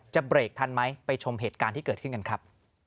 เบรกทันไหมไปชมเหตุการณ์ที่เกิดขึ้นกันครับ